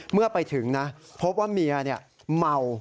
เมื่อไปถึงนะพบว่าเมียเมา